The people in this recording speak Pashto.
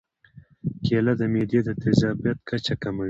کېله د معدې د تیزابیت کچه کموي.